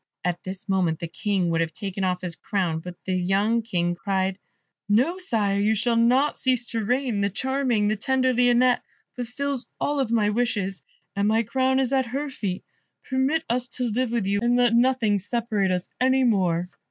At this moment the King would have taken off his crown, but the young King cried, "No, sire, you shall not cease to reign: the charming, the tender Lionette fulfils all my wishes, and my crown is at her feet. Permit us to live with you, and let nothing separate us any more."